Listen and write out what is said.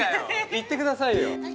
言って下さいよ。